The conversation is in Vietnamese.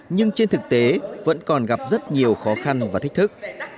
nhưng trên thực tế vẫn còn gặp rất nhiều khó khăn và thách thức